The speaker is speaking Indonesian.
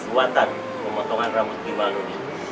buatan pemotongan rambut gimbal nuri